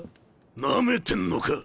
ナメてんのか？